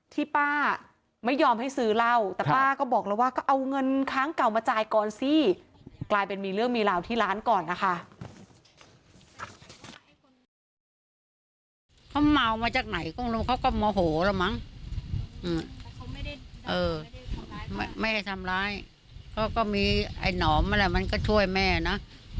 ที่ป้าไม่ยอมให้ซื้อเหล้าแต่ป้าก็บอกแล้วว่า